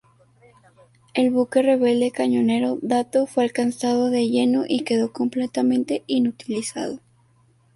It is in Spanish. El buque "rebelde" cañonero Dato fue alcanzado de lleno y quedó completamente inutilizado.